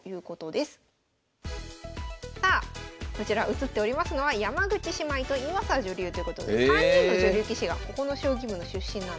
さあこちら映っておりますのは山口姉妹と岩佐女流ということで３人の女流棋士がここの将棋部の出身なんです。